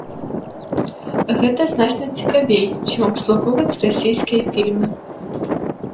Гэта значна цікавей, чым абслугоўваць расійскія фільмы.